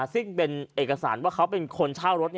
ซึ่งเป็นเอกสารว่าเขาเป็นคนเช่ารถ